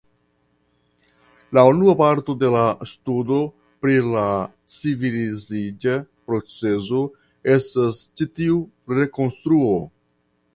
La unua parto de la studo pri la civiliziĝa procezo estas ĉi tiu rekonstruo.